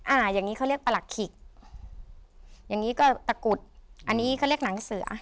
อย่างงี้เขาเรียกประหลักขิกอย่างงี้ก็ตะกรุดอันนี้เขาเรียกหนังเสือ